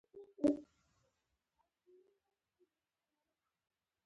غومبري يې سره اوښتي وو.